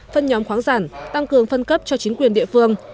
phân nhóm khoáng sản tăng cường phân cấp cho chính quyền địa phương